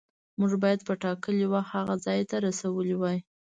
موږ باید په ټاکلي وخت هغه ځای ته رسولي وای.